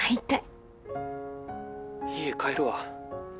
家帰るわ。